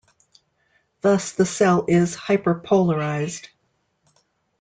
Thus the cell is hyperpolarised.